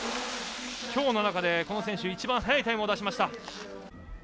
きょうの中で、この選手一番速いタイムを出しました。